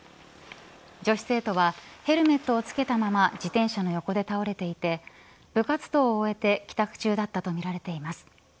女子生徒はヘルメットを着けたまま自転車の横で倒れていて部活動を終えて帰宅中だったとみられています。